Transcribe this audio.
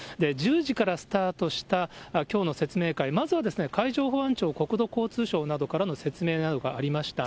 １０時からスタートしたきょうの説明会、まずはですね、海上保安庁、国土交通省などからの説明などがありました。